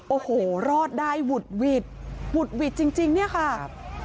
โอ้โหรอดได้หุดหวิดหวุดหวิดจริงเนี่ยค่ะครับ